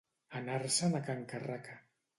Anar-se'n a can Carraca.